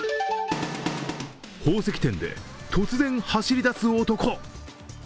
宝石店で突然走り出す男。